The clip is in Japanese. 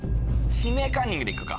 「指名カンニング」で行くか？